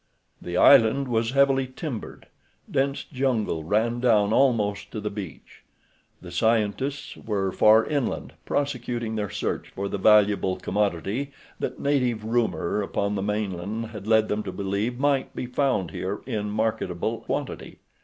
The island was heavily timbered. Dense jungle ran down almost to the beach. The scientists were far inland, prosecuting their search for the valuable commodity that native rumor upon the mainland had led them to believe might be found here in marketable quantity.